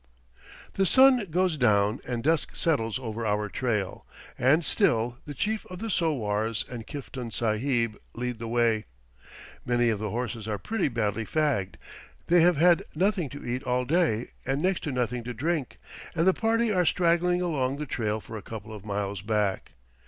The sun goes down and dusk settles over our trail, and still the chief of the sowars and Kiftan Sahib lead the way. Many of the horses are pretty badly fagged, they have had nothing to eat all day and next to nothing to drink, and the party are straggling along the trail for a couple of miles back.